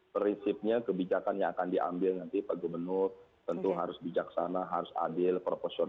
prinsipnya kebijakan yang akan diambil nanti pak gubernur tentu harus bijaksana harus adil proporsional